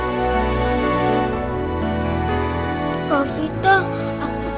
takut kak vita gak balik lagi